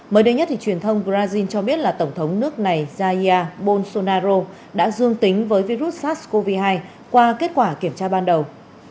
mới đây nhất truyền thông brazil cho biết là tổng thống nước này zaya bolsonaro đã dương tính với virus sars cov hai qua kết quả kiểm tra ban đầu